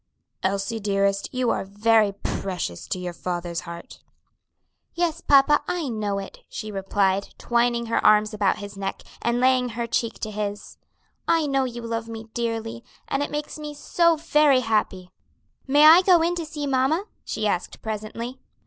"Elsie, dearest, you are very precious to your father's heart." "Yes, papa, I know it," she replied, twining her arms about his neck, and laying her cheek to his; "I know you love me dearly, and it makes me so very happy." "May I go in to see mamma?" she asked presently.